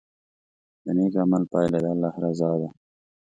د نیک عمل پایله د الله رضا ده.